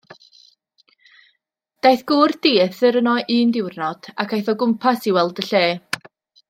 Daeth gŵr dieithr yno un diwrnod, ac aeth o gwmpas i weld y lle.